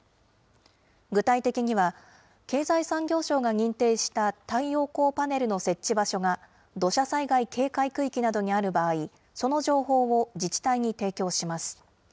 具体的には、経済産業省が認定した太陽光パネルの設置場所が、土砂災害警戒区域などにある場合、その情報を自治体に提供します。